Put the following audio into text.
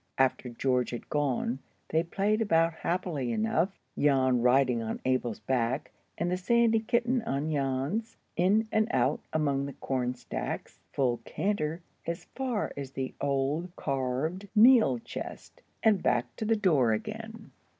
After George had gone, they played about happily enough, Jan riding on Abel's back, and the sandy kitten on Jan's, in and out among the corn sacks, full canter as far as the old carved meal chest, and back to the door again.